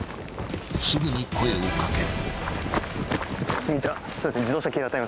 ［すぐに声を掛ける］